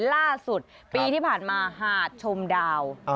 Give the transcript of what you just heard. ล่าสุดปีที่ผ่านมาหาดชมดาว